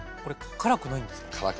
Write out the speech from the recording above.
辛くないんですね。